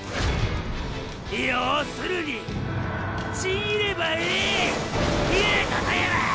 要するにちぎればええいうことやろ！